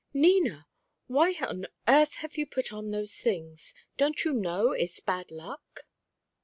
"Nina! Why on earth have you put on those things? Don't you know it's bad luck?"